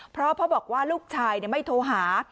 เพราะเพราะบอกว่าลูกชายไม่โทรหา